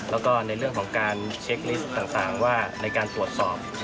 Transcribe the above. แล้วก็ในเรื่องของการเช็คลิสต์ต่างว่าในการตรวจสอบ